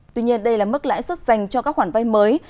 tuy nhiên đây là mức lãi suất dành cho các khoản vay mới